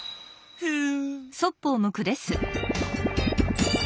ふん！